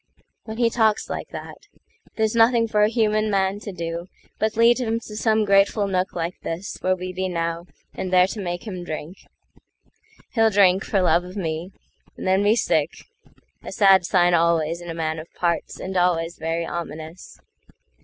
When he talks like that, There's nothing for a human man to doBut lead him to some grateful nook like thisWhere we be now, and there to make him drink. He'll drink, for love of me, and then be sick;A sad sign always in a man of parts, And always very ominous.